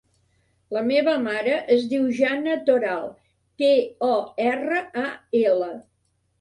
La meva mare es diu Jana Toral: te, o, erra, a, ela.